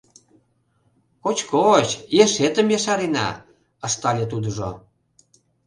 «Коч-коч, ешетым ешарена!» — ыштале тудыжо.